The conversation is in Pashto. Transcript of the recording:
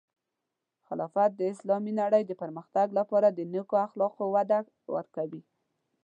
خلافت د اسلامی نړۍ د پرمختګ لپاره د نیکو اخلاقو وده ورکوي.